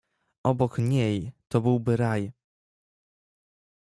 "obok niej, to byłby raj!"